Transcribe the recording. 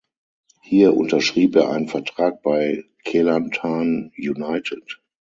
Hier unterschrieb er einen Vertrag bei Kelantan United.